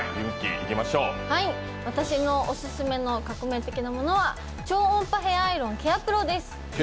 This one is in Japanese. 私のオススメの革命的なものは超音波ヘアアイロン、ＣＡＲＥＰＲＯです。